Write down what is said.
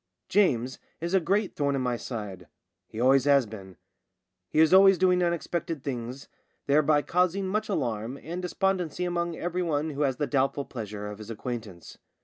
James is a great thorn in my side ; he always has been. He is always doing un expected things — thereby causing much alarm and despondency among everyone who has the doubtful pleasure of his acquaintance.